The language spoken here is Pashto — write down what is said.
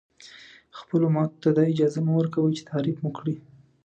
خپلو ماتو ته دا اجازه مه ورکوئ چې تعریف مو کړي.